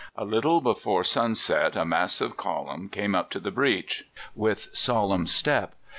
A little before sunset a massive column came up to the breach with solemn step.